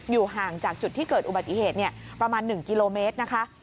ห่างจากจุดที่เกิดอุบัติเหตุประมาณ๑กิโลเมตรนะคะ